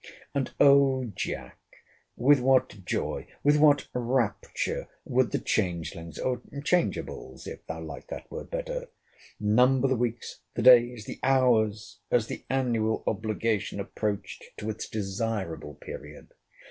And, O Jack! with what joy, with what rapture, would the changelings (or changeables, if thou like that word better) number the weeks, the days, the hours, as the annual obligation approached to its desirable period!